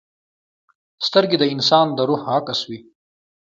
سترګې د انسان د روح عکس وي